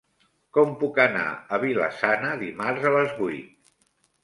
Com puc anar a Vila-sana dimarts a les vuit?